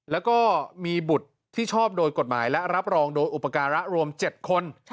แล้วก็มีบุตรที่ชอบโดยกฎหมายและรับรองโดยอุปการะรวม๗คน